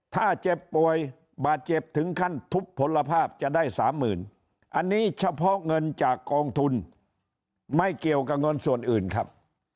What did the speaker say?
ถ้าเจ็บป่วยบาดเจ็บถึงขั้นทุบผลภาพจะได้สามหมื่นอันนี้เฉพาะเงินจากกองทุนไม่เกี่ยวกับเงินส่วนอื่นครับ